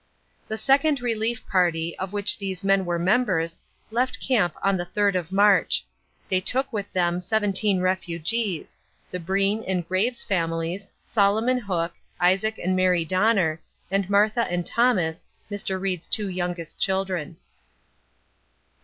The Second Relief Party, of which these men were members, left camp on the third of March. They took with them seventeen refugees the Breen and Graves families, Solomon Hook, Isaac and Mary Donner, and Martha and Thomas, Mr. Reed's two youngest children.